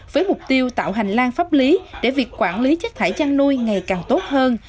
với mục tiêu tạo hành lang pháp lý để việc quản lý chất thải chăn nuôi ngày càng tốt hơn